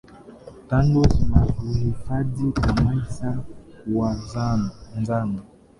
Tando zinazohifadhi kamasi kuwa njano